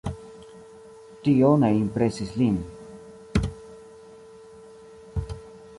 Tio ne impresis lin.